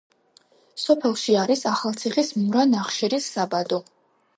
სოფელში არის ახალციხის მურა ნახშირის საბადო.